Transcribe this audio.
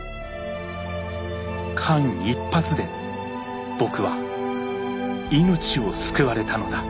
間一髪で僕は命を救われたのだ。